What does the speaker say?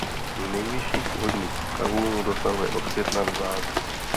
Nejvyšších vodních stavů dosahuje od května do září.